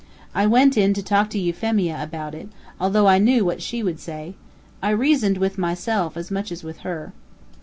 I went in to talk to Euphemia about it, although I knew what she would say. I reasoned with myself as much as with her.